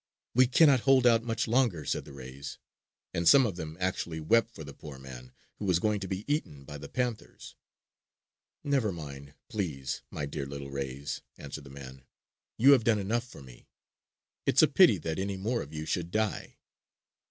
"We cannot hold out much longer!" said the rays. And some of them actually wept for the poor man who was going to be eaten by the panthers. "Never mind, please, my dear little rays!" answered the man. "You have done enough for me! It's a pity that any more of you should die.